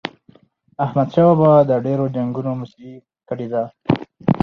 احمد شاه بابا د ډیرو جنګونو مشري کړې ده.